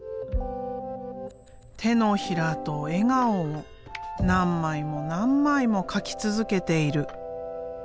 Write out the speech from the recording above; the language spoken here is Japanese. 手のひらと笑顔を何枚も何枚も描き続けている。